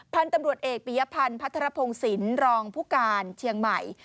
พันธุ์ตำรวจเอกปียพันธ์พัทรพงศิลป์รองผู้การเชียงใหม่